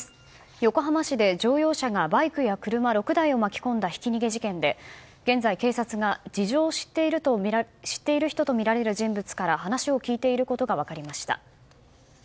横浜市で乗用車が車やバイク６台を巻き込んだひき逃げ事件で現在、警察が事情を知っている人とみられる人物から話を聞いていることが分かりました。